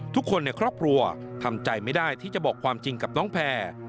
ทุกคนในครอบครัวทำใจไม่ได้ที่จะบอกความจริงกับน้องแพร่